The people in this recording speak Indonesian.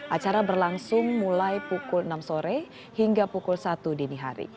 acara berlangsung mulai pukul enam sore hingga pukul satu dini hari